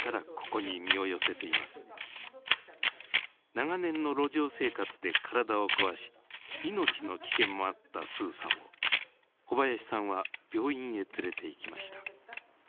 長年の路上生活で体を壊し命の危険もあったスーさんを小林さんは病院へ連れていきました。